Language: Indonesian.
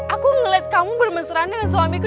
aku ngeliat kamu bermesrani dengan suamiku